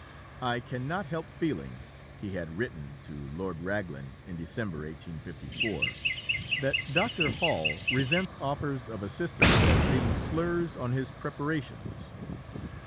"I cannot help feeling," he had written to Lord Raglan in December 1854, "that Dr. Hall resents offers of assistance as being slurs on his preparations."